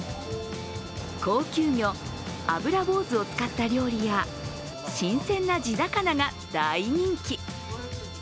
高級魚アブラボウズを使った料理や新鮮な地魚が大人気。